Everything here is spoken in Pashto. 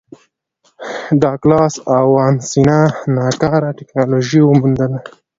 ډاګلاس او وانسینا ناکاره ټکنالوژي وموندله.